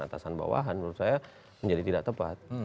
atasan bawahan menurut saya menjadi tidak tepat